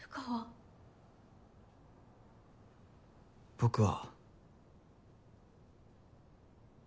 僕は。